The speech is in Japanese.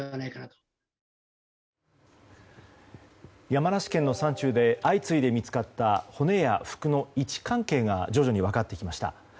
山梨県の山中で相次いで見つかった骨や服の位置関係が徐々に分かってきました。